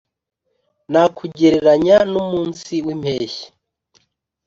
nakugereranya n'umunsi w'impeshyi?